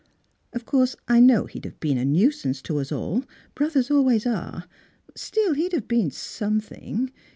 " Of course, I know he'd have been a nuisance to us all — brothers always are — but still ^e'd have been something.